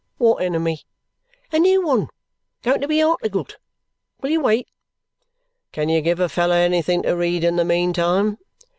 "What enemy?" "A new one. Going to be articled. Will you wait?" "Can you give a fellow anything to read in the meantime?"